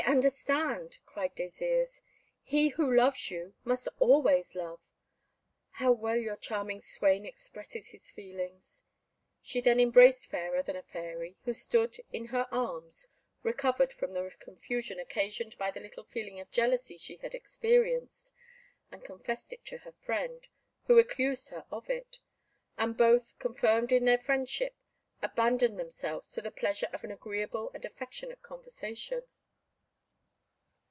"I understand," cried Désirs: "he who loves you, must always love! How well your charming swain expresses his feelings." She then embraced Fairer than a Fairy, who soon, in her arms, recovered from the confusion occasioned by the little feeling of jealousy she had experienced, and confessed it to her friend, who accused her of it; and both, confirmed in their friendship, abandoned themselves to the pleasure of an agreeable and affectionate conversation.